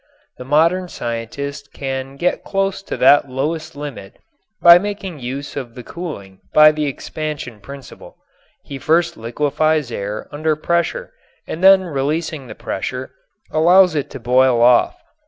The modern scientist can get close to that lowest limit by making use of the cooling by the expansion principle. He first liquefies air under pressure and then releasing the pressure allows it to boil off.